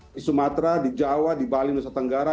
di sumatera di jawa di bali nusa tenggara